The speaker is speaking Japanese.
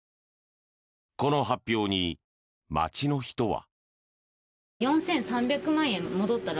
この発表に町の人は。